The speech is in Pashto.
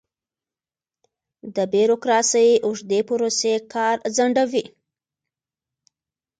د بیروکراسۍ اوږدې پروسې کار ځنډوي.